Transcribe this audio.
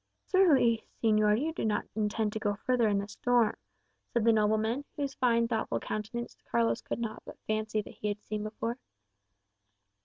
"Surely, señor, you do not intend to go further in this storm," said the nobleman, whose fine thoughtful countenance Carlos could not but fancy that he had seen before.